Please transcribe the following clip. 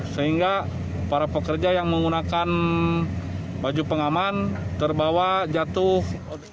sehingga para pekerja yang menggunakan baju pengaman terbawa jatuh